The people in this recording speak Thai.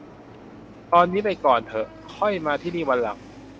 ตอนนี้ไปก่อนเถอะ ค่อยมาที่นี่วันหลัง